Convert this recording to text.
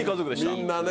みんなね。